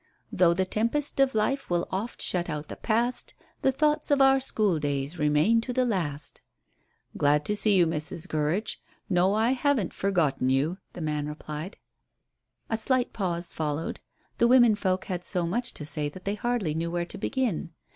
'Though the tempest of life will oft shut out the past, The thoughts of our school days remain to the last.'" "Glad to see you, Mrs. Gurridge. No, I haven't forgotten you," the man replied. A slight pause followed. The women folk had so much to say that they hardly knew where to begin.